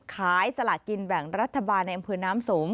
สละกินแบ่งรัฐบาลในอำเภอน้ำสม